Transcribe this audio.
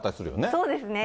そうですね。